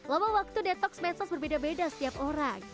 lama waktu detox medsos berbeda beda setiap orang